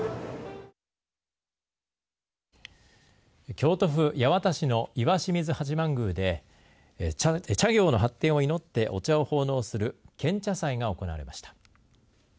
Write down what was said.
京都府八幡市の石清水八幡宮で茶業の発展を祈ってお茶を奉納する献茶祭が行われました。